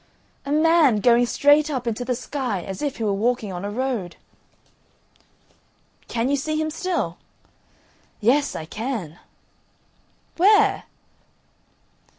"A man going straight up into the sky, as if he were walking on a road." "Can you see him still?" "Yes, I can." "Where?"